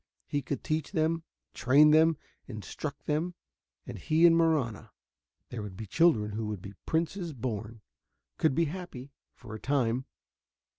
He could teach them, train them, instruct them. And he and Marahna there would be children who would be princes born could be happy for a time.